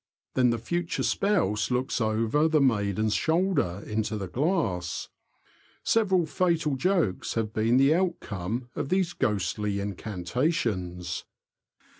Then the future spouse looks over the maiden's shoulder into the glass. Several fatal jokes have been the outcome of these ghostly incantations.